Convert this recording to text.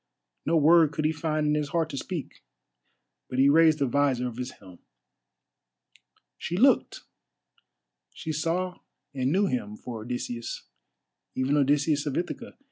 No word could he find in his heart to speak, but he raised the visor of his helm. She looked—she saw and knew him for Odysseus—even Odysseus of Ithaca.